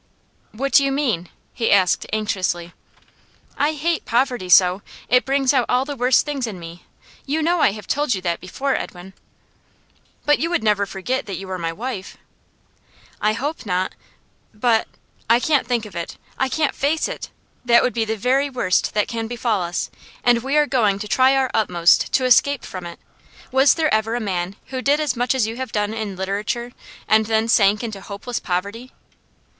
'What do you mean?' he asked anxiously. 'I hate poverty so. It brings out all the worst things in me; you know I have told you that before, Edwin?' 'But you would never forget that you are my wife?' 'I hope not. But I can't think of it; I can't face it! That would be the very worst that can befall us, and we are going to try our utmost to escape from it. Was there ever a man who did as much as you have done in literature and then sank into hopeless poverty?